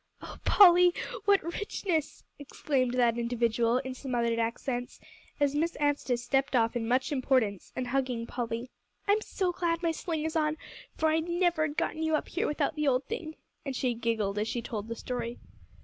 "Oh Polly, what richness!" exclaimed that individual in smothered accents, as Miss Anstice stepped off in much importance, and hugging Polly. "I'm so glad my sling is on, for I never'd gotten you up here without the old thing," and she giggled as she told the story.